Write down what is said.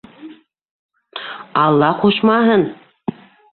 Алла ҡушмаһын!